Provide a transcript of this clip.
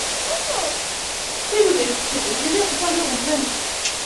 هغې د سپوږمۍ تر سیوري لاندې د مینې کتاب ولوست.